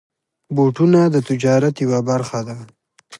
بوټونه د تجارت یوه برخه ده.